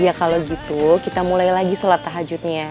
ya kalau gitu kita mulai lagi sholat tahajudnya